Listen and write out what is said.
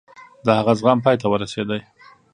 د هغه زغم پای ته ورسېد.